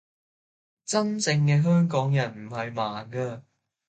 真正嘅香港人唔係盲㗎